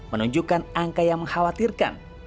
menunjukkan angka yang mengkhawatirkan